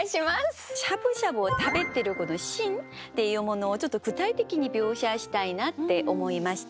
しゃぶしゃぶを食べてるシーンっていうものをちょっと具体的に描写したいなって思いました。